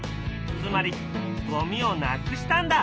つまりゴミをなくしたんだ！